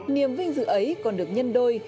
niềm vinh dự ấy còn được nhân đôi